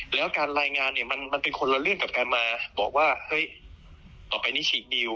แล้วการรายงานเนี่ยมันเป็นคนละเรื่องกับการมาบอกว่าเฮ้ยต่อไปนี้ฉีกดิว